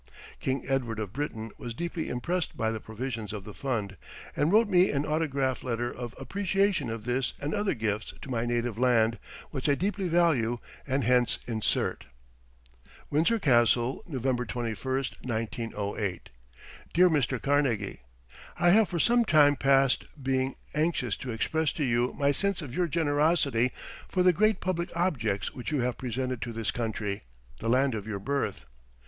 King Edward of Britain was deeply impressed by the provisions of the fund, and wrote me an autograph letter of appreciation of this and other gifts to my native land, which I deeply value, and hence insert. Windsor Castle, November 21, 1908 DEAR MR. CARNEGIE: I have for some time past been anxious to express to you my sense of your generosity for the great public objects which you have presented to this country, the land of your birth.